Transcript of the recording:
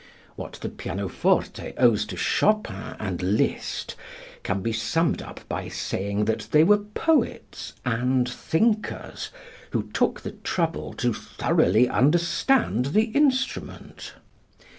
What the pianoforte owes to Chopin and Liszt can be summed up by saying that they were poets and thinkers who took the trouble to thoroughly understand the instrument.